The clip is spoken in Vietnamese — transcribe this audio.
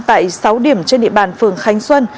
tại sáu điểm trên địa bàn phường khánh xuân